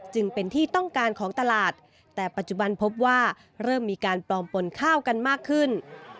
จึงเป็นที่ต้องการของตลาดแต่ปัจจุบันพบว่าเริ่มมีการปลอมปนข้าวกันมากขึ้น